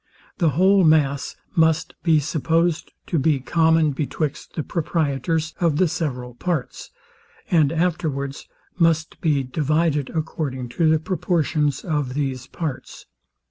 The whole mass must be supposed to be common betwixt the proprietors of the several parts, and afterwards must be divided according to the proportions of these parts.